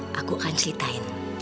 oke aku akan ceritain